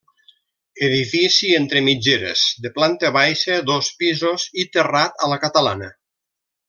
Edifici entre mitgeres de planta baixa, dos pisos i terrat a la catalana.